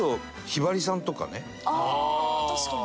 あ確かに。